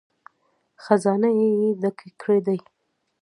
خزانې یې ډکې کړې دي.